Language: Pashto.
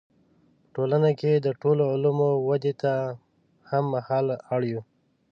په ټولنه کې د ټولو علومو ودې ته هم مهاله اړ یو.